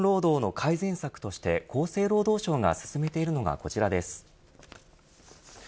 その長時間労働を改善策として厚生労働省が進めているのがこちらです。